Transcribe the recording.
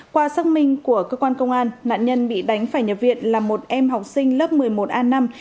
qua xác minh của cơ quan công an nạn nhân bị đánh phải nhập viện là một em học sinh lớp một mươi một a năm